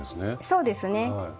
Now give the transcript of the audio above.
そうですね。